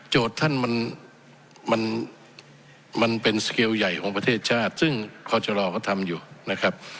โจทย์ท่านมันเป็นสเกลใหญ่ของประเทศชาติซึ่งคอเจอรอเขาทำอยู่นะครับ